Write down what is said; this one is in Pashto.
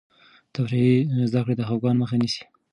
تفریحي زده کړه د خفګان مخه نیسي.